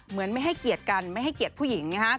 เหมือนไม่ให้เกียรติกันไม่ให้เกียรติผู้หญิงนะฮะ